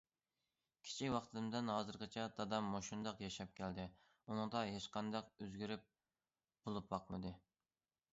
كىچىك ۋاقتىمدىن ھازىرغىچە، دادام مۇشۇنداق ياشاپ كەلدى، ئۇنىڭدا ھېچقانداق ئۆزگىرىپ بولۇپ باقمىدى.